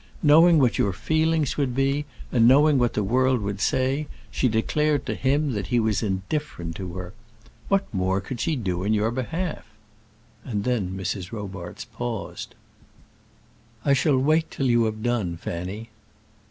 Knowing what your feelings would be, and knowing what the world would say, she declared to him that he was indifferent to her. What more could she do in your behalf?" And then Mrs. Robarts paused. "I shall wait till you have done, Fanny."